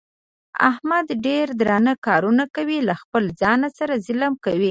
احمد ډېر درانه کارونه کوي. له خپل ځان سره ظلم کوي.